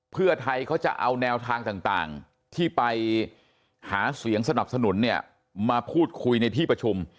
เพื่อไทยเขาจะเอาแนวทางต่างที่ไปหาเสียงสนับสนุนเนี่ยมาพูดคุยในที่ประชุม